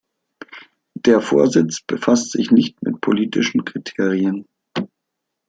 Der Vorsitz befasst sich nicht mit politischen Kriterien.